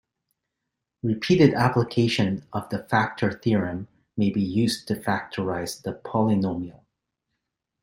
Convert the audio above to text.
Repeated application of the factor theorem may be used to factorize the polynomial.